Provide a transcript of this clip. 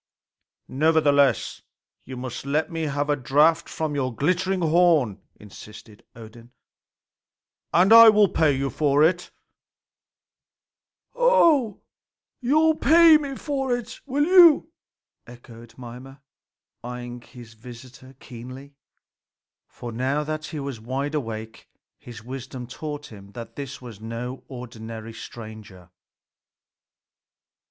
"Nevertheless, you must let me have a draught from your glittering horn," insisted Odin, "and I will pay you for it." "Oho, you will pay me for it, will you?" echoed Mimer, eyeing his visitor keenly. For now that he was wide awake, his wisdom taught him that this was no ordinary stranger.